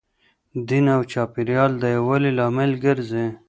دین او چاپیریال د یووالي لامل ګرځي.